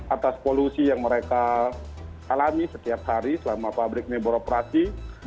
atas polusi yang mereka alami setiap hari selama pabrik ini beroperasi